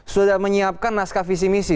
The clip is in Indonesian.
sudah menyiapkan naskah visi misi